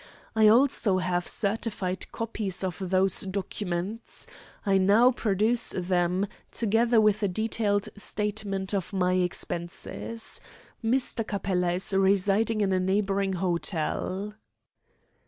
I also have certified copies of those documents, I now produce them, together with a detailed statement of my expenses. Mr. Capella is residing in a neighbouring hotel."